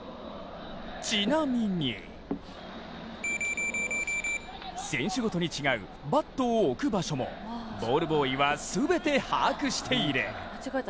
ちなみに選手ごとに違うバットを置く場所も、ボールボーイは全て把握している。